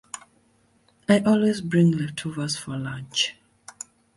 I always bring leftovers for lunch.